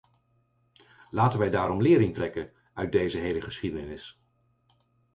Laten wij daarom lering trekken uit deze hele geschiedenis.